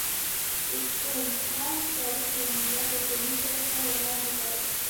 د ستونهنج تاریخ له میلاده دوهنیمزره کاله وړاندې دی.